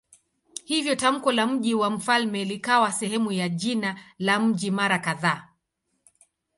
Hivyo tamko la "mji wa mfalme" likawa sehemu ya jina la mji mara kadhaa.